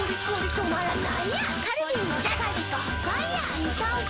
新登場